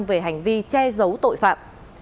về hành vi che giấu tội phạm